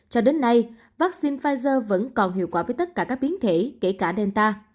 cho đến nay vaccine pfizer vẫn còn hiệu quả với tất cả các biến thể kể cả delta